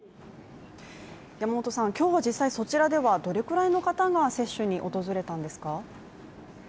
今日は実際そちらではどれぐらいの方が接種に訪れたんですか？